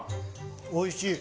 おいしい。